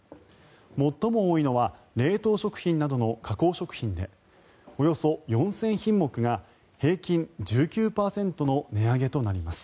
最も多いのは冷凍食品などの加工食品でおよそ４０００品目が平均１９％の値上げとなります。